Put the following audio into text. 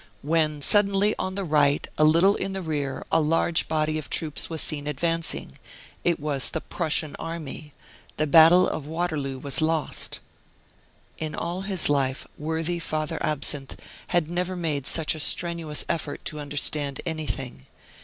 when suddenly on the right, a little in the rear, a large body of troops was seen advancing. It was the Prussian army. The battle of Waterloo was lost." In all his life, worthy Father Absinthe had never made such a strenuous effort to understand anything.